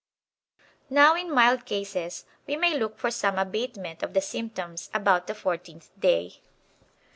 Now in mild cases we may look for some abatement of the symptoms about the fourteenth day.